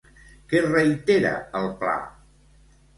Què reitera el pla?